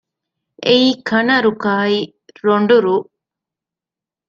އެއީ ކަނަ ރުކާއި ރޮނޑު ރުއް